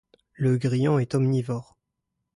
Le grillon est omnivore.